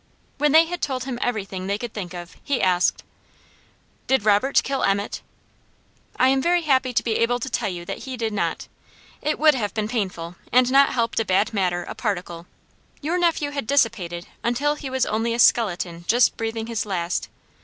When they had told him everything they could think of, he asked: "Did Robert kill Emmet?" "I am very happy to be able to tell you that he did not. It would have been painful, and not helped a bad matter a particle. Your nephew had dissipated until he was only a skeleton just breathing his last.